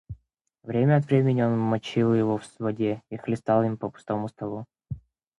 Время от времени он мочил его в воде и хлестал им по пустому столу.